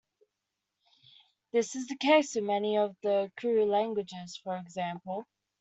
This is the case with many of the Kru languages, for example.